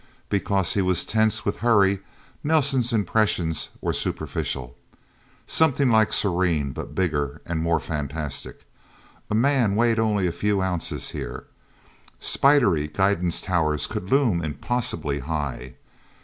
Because he was tense with hurry, Nelsen's impressions were superficial: Something like Serene, but bigger and more fantastic. A man weighed only a few ounces, here. Spidery guidance towers could loom impossibly high.